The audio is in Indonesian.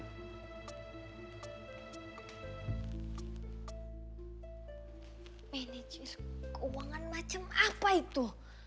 manage keuangan macam apa itu